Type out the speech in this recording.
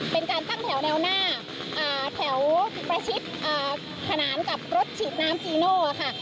เป็นการตั้งแถวแนวหน้าแถวประชิดขนานกับรถฉีดน้ำจีโน่ค่ะ